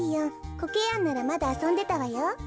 コケヤンならまだあそんでたわよ。